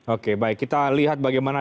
oke baik kita lihat bagaimana